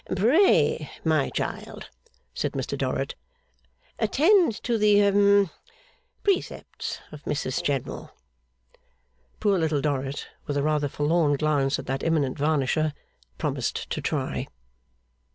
'Pray, my child,' said Mr Dorrit, 'attend to the hum precepts of Mrs General.' Poor Little Dorrit, with a rather forlorn glance at that eminent varnisher, promised to try.